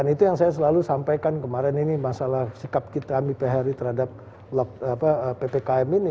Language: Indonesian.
itu yang saya selalu sampaikan kemarin ini masalah sikap kita ami phri terhadap ppkm ini